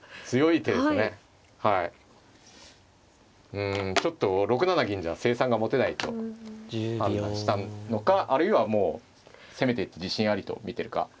うんちょっと６七銀じゃあ成算が持てないと判断したのかあるいはもう攻めていって自信ありと見てるか。